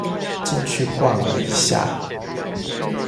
進去逛了一下